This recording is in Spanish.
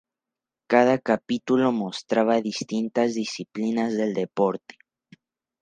Cada capítulo mostraba distintas disciplinas del deporte.